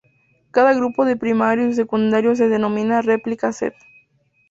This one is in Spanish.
Cada grupo de primario y sus secundarios se denomina replica set.